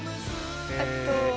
えっと。